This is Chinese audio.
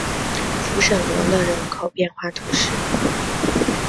弗什罗勒人口变化图示